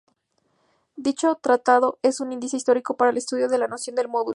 Dicho tratado es un índice histórico para el estudio de la noción del módulo.